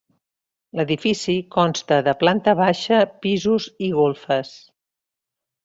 L'edifici consta de planta baixa, pisos i golfes.